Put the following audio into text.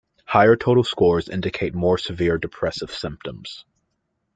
Higher total scores indicate more severe depressive symptoms.